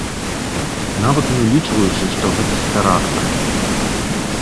Нават не ўлічваючы, што гэта з тэракта.